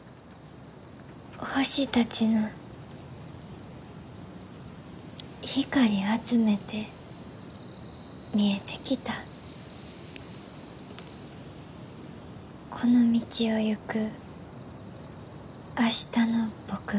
「星たちの光あつめて見えてきたこの道をいく明日の僕は」。